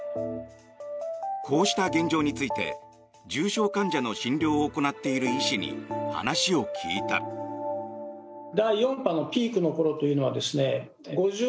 こうした現状について重症患者の診療を行っている医師に話を聞いた。